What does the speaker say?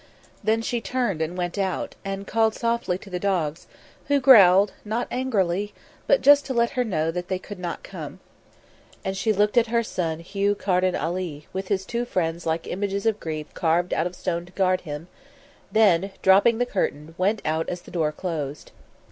Then she turned and went out, and called softly to the dogs, who growled, not angrily, but just to let her know that they could not come. And she looked at her son Hugh Carden Ali, with his two friends like images of grief carved out of stone to guard him, then, dropping the curtain, went out as the door closed.